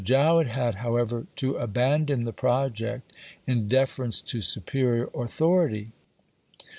Jowett had, however, to abandon the project in deference to superior authority.